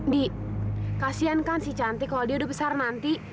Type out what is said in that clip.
di kasian kan si cantik kalau dia udah besar nanti